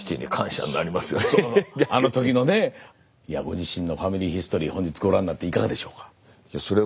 ご自身の「ファミリーヒストリー」本日ご覧になっていががでしょうか？